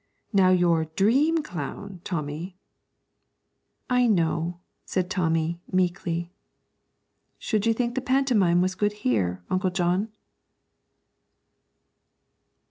Now, your dream clown, Tommy ' 'I know,' said Tommy, meekly. 'Should you think the pantomime was good here, Uncle John?'